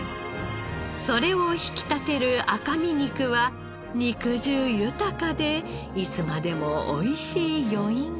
それを引き立てる赤身肉は肉汁豊かでいつまでも美味しい余韻が残る。